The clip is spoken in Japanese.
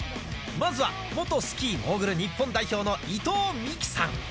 まずは元スキーモーグル日本代表の伊藤みきさん。